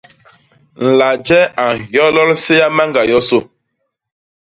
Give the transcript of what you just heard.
Nlaje a nhyolol séa mañga yosô.